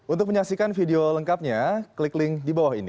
untuk menyaksikan video lengkapnya klik link di bawah ini